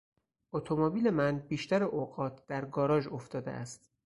اتومبیل من بیشتر اوقات در گاراژ افتاده است.